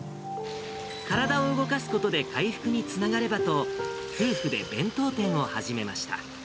体を動かすことで回復につながればと、夫婦で弁当店を始めました。